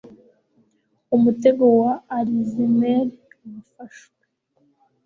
umutego wa Alzheimer wafashwe